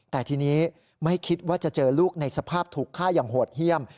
แต่ทีนี้ไม่คิดว่าจะเจอลูกในสภาพถูกฆ่าอย่างโหดเยี่ยม